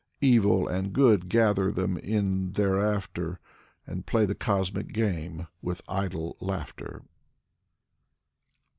Evil and Good gather them in thereafter And play the cosmic game with idle laughter.